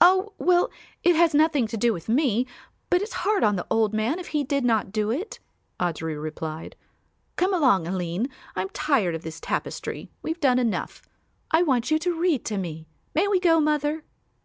"Oh, well, it has nothing to do with me, but it's hard on the old man if he did not do it," Audry replied. "Come along, Aline; I'm tired of this tapestry; we've done enough. I want you to read to me. May we go, mother?"